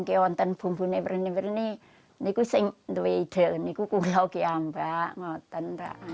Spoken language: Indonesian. karena saya ingin menjelaskan